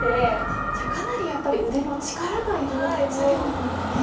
あっじゃあかなりやっぱり腕の力がいる作業なんだね。